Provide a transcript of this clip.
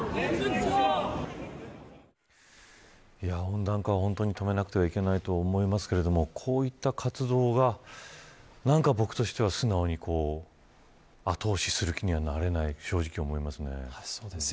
温暖化は本当に止めなくてはいけないと思いますがこういった活動が僕としては素直に後押しする気にはなれないと思います。